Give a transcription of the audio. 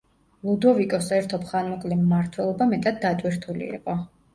ლუდოვიკოს ერთობ ხანმოკლე მმართველობა მეტად დატვირთული იყო.